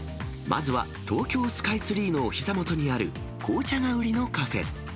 まずは、東京スカイツリーのおひざ元にある、紅茶が売りのカフェ。